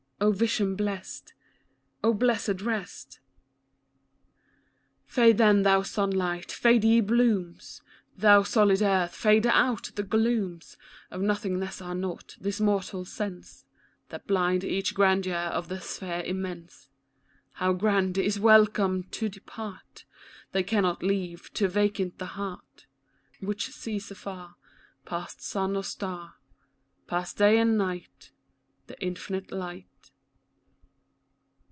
O vision blest ! O blessed rest ! Fade, then, thou sunlight; fade, ye blooms; Thou solid earth, fade out ; the glooms Of nothingness are naught, this mortal sense — That blind — each grandeur of the sphere immense — How grand — is welcome to depart ; They cannot leave to vacancy the heart, Which sees afar, Past sun or star, Past day and night, The Infinite light.